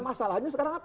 atau huruf d